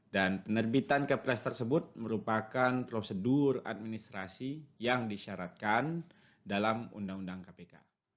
dan penerbitan kepres tersebut merupakan prosedur administrasi yang disyaratkan dalam undang undang kpk